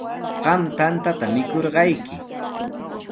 Qam tantata mikurqayki.